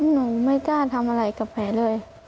หนูไม่กล้าทำอะไรกับแผลเลย